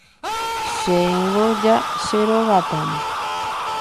Chéngo ja cherogapáma